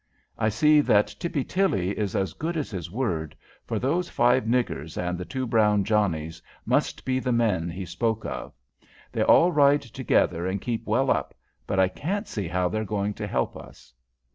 I see that Tippy Tilly is as good as his word, for those five niggers and the two brown Johnnies must be the men he speaks of. They all ride together and keep well up, but I can't see how they are going to help us."